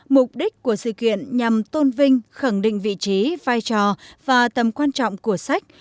mục đích của sự kiện nhằm tôn vinh khẳng định vị trí vai trò và tầm quan trọng của sách